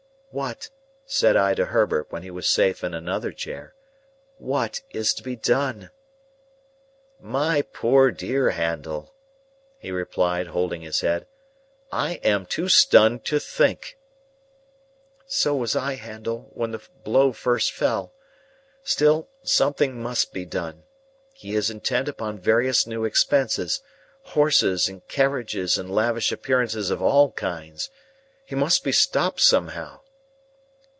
"What," said I to Herbert, when he was safe in another chair,—"what is to be done?" "My poor dear Handel," he replied, holding his head, "I am too stunned to think." "So was I, Herbert, when the blow first fell. Still, something must be done. He is intent upon various new expenses,—horses, and carriages, and lavish appearances of all kinds. He must be stopped somehow."